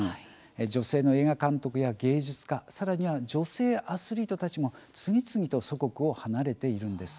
女性の映画監督や芸術家さらには女性アスリートたちも次々と祖国を離れました。